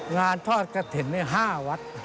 งานทอดกระถิ่นนี่๕วัตต์